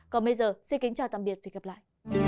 còn bây giờ xin kính chào tạm biệt và hẹn gặp lại